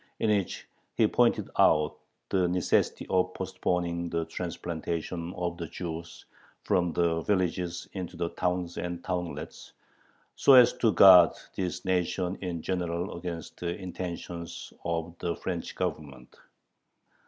in which he pointed out the necessity "of postponing the transplantation of the Jews from the villages into the towns and townlets, so as to guard this nation in general against the intentions of the French Government."